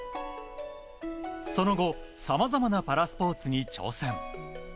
その後、さまざまなパラスポーツに挑戦。